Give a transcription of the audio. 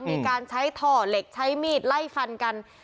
มีการใช้ท่อเหล็กใช้มีดไล่ฟันกัน